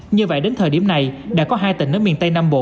như vậy đến thời điểm này đã có hai tỉnh ở miền tây nam bộ